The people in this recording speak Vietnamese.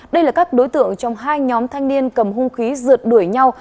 đây là các đối tượng trong hai nhóm thanh niên cầm hung khí rượt đuổi nhau